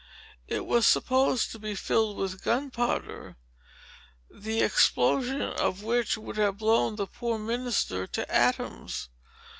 It was supposed to be filled with gunpowder, the explosion of which would have blown the poor minister to atoms.